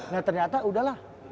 nah ternyata udah lah